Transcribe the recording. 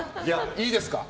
いいですか？